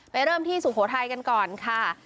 เริ่มที่สุโขทัยกันก่อนค่ะ